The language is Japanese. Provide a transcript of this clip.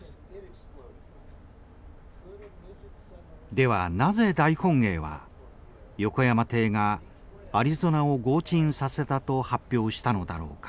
ではなぜ大本営は横山艇がアリゾナを轟沈させたと発表したのだろうか。